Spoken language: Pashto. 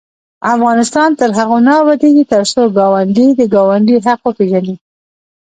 افغانستان تر هغو نه ابادیږي، ترڅو ګاونډي د ګاونډي حق وپيژني.